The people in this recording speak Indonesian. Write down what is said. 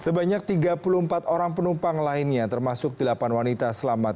sebanyak tiga puluh empat orang penumpang lainnya termasuk delapan wanita selamat